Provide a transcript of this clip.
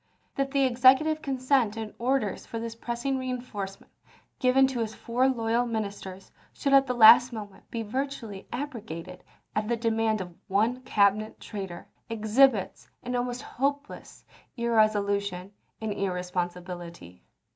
That the Executive consent and orders for this pressing reenforcement given to his four loyal ministers should at the last moment be virtually abrogated at the demand of one Cabinet traitor exhibits an almost hopeless irresolution and irresponsibility.